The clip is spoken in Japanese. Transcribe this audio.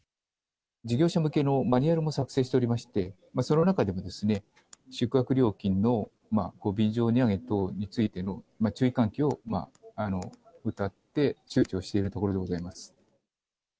事業者向けのマニュアルも作成しておりまして、その中でも、宿泊料金の便乗値上げ等についての注意喚起をうたって、周知をしているところでございます。